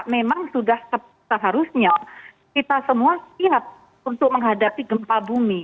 memang sudah seharusnya kita semua siap untuk menghadapi gempa bumi